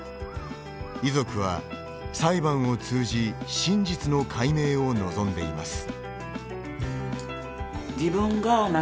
遺族は、裁判を通じ真実の解明を望んでいます。